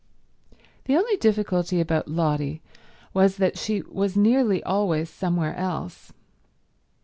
The only difficulty about Lotty was that she was nearly always somewhere else.